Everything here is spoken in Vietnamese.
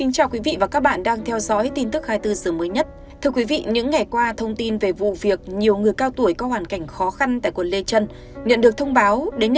các bạn hãy đăng ký kênh để ủng hộ kênh của chúng mình nhé